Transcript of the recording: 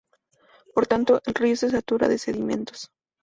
Por tanto, el río se satura de sedimentos.